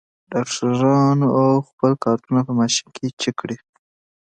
ډاکټران اړ وو خپل کارټونه په ماشین کې چک کړي.